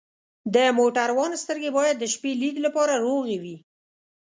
د موټروان سترګې باید د شپې لید لپاره روغې وي.